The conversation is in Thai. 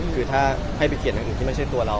คือถ้าให้ไปเขียนอย่างอื่นที่ไม่ใช่ตัวเรา